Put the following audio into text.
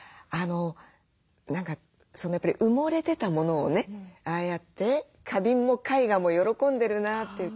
何かやっぱり埋もれてたものをねああやって花瓶も絵画も喜んでるなって。